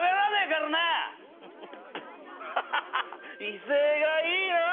威勢がいいなぁ！